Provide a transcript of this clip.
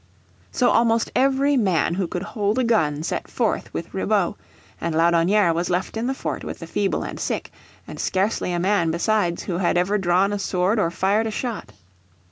So almost every man who could hold a gun set forth with Ribaut, and Laudonnière was left in the fort with the feeble and sick, and scarcely a man besides who had ever drawn a sword or fired a shot.